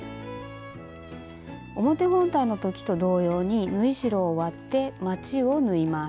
表本体の時と同様に縫い代を割ってまちを縫います。